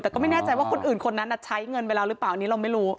แต่ก็ไม่แน่ใจว่าคนอื่นคนนั้นใช้เงินไปแล้วหรือเปล่าอันนี้เราไม่รู้